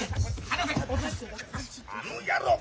あの野郎っ！